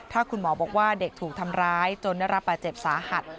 ถ้าคุณหมอบอกว่าเด็กถูกทำร้ายจนได้รับบาดเจ็บสาหัส